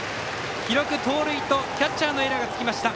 記録、盗塁とキャッチャーのエラーがつきました。